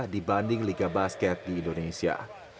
dibanding liga basket di indonesia